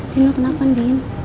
din lu kenapa andin